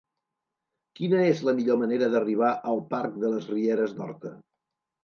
Quina és la millor manera d'arribar al parc de les Rieres d'Horta?